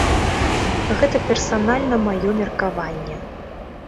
Гэта персанальна маё меркаванне.